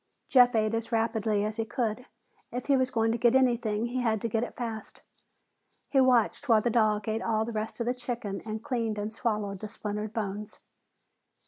Jeff ate as rapidly as he could; if he was going to get anything, he had to get it fast. He watched while the dog ate all the rest of the chicken and cleaned and swallowed the splintered bones.